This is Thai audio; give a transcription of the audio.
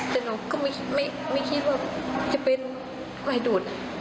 แต่หนูก็ไม่คิดว่าจะเป็นไฟดูด